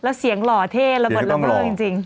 แล้วเสียงรอเท่เราหมดลำเลิงจริง